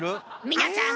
皆さん